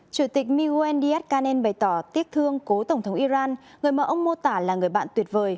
chủ tịch mewen diakkanen bày tỏ tiếc thương cố tổng thống iran người mà ông mô tả là người bạn tuyệt vời